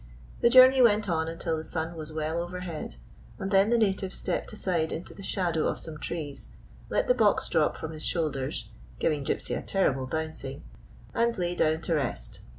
The journey went on until the sun was well overhead, and then the native stepped aside into the shadow of some trees, let the box drop from his shoulders — giving Gypsy a terrible bounc ing — and lay down to rest.